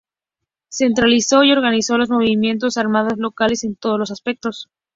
Centralizó y organizó los movimientos armados locales en todos los aspectos.